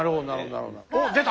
おっ出た！